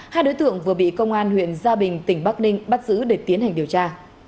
hai đối tượng vừa bị công an huyện gia bình tỉnh bắc ninh bắt giữ để tiến hành điều tra